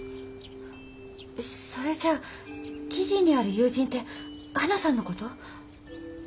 それじゃあ記事にある友人ってはなさんの事？